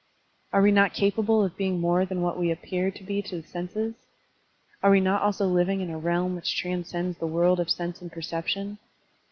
Are we not capable of being more than what we appear to the senses? Are we not also living in a realm which transcends the world of sense and perception?